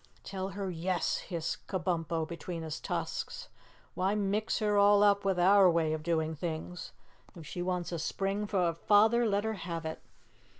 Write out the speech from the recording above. "Tell her 'yes,'" hissed Kabumpo between his tusks. "Why mix her all up with our way of doing things? If she wants a spring for a father, let her have it!"